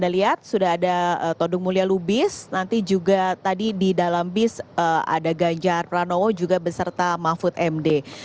kita lihat sudah ada todung mulya lubis nanti juga tadi di dalam bis ada ganjar pranowo juga beserta mahfud md